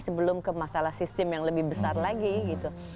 sebelum ke masalah sistem yang lebih besar lagi gitu